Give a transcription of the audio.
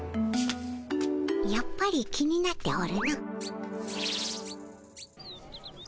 やっぱり気になっておるの。